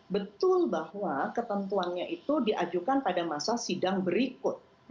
betul bahwa ketentuannya itu diajukan pada masa sidang berikut